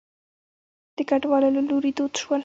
د کډوالو له لوري دود شول.